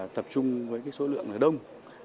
tập trung với số lượng đông